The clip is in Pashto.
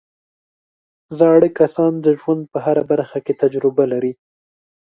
زاړه کسان د ژوند په هره برخه کې تجربه لري